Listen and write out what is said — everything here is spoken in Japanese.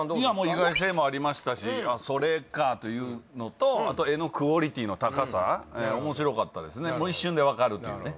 意外性もありましたし「あっそれか」というのとあと絵のクオリティーの高さ面白かったですね一瞬で分かるというね